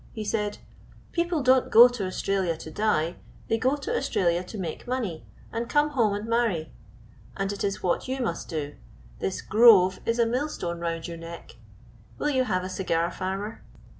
He said, "People don't go to Australia to die they go to Australia to make money, and come home and marry and it is what you must do this "Grove" is a millstone round your neck. Will you have a cigar, farmer?"